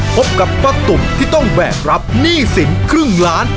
พบกับป้าตุ๋มที่ต้องแบกรับหนี้สินครึ่งล้าน